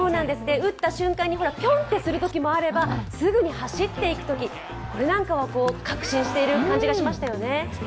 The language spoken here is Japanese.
打った瞬間にピョンッとするときもあれば、すぐに走っていくとき、これなんかは確信している感じがしましたよね。